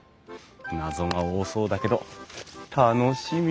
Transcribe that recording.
謎が多そうだけど楽しみ！